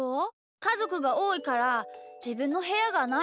かぞくがおおいからじぶんのへやがないし。